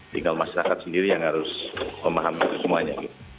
tinggal masyarakat sendiri yang harus memahami semuanya